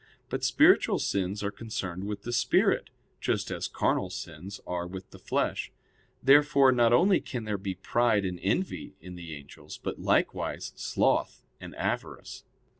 But spiritual sins are concerned with the spirit, just as carnal sins are with the flesh. Therefore not only can there be pride and envy in the angels; but likewise sloth and avarice.